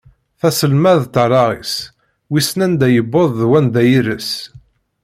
Taselmadt allaɣ-is wissen anda yewweḍ d wanda ires.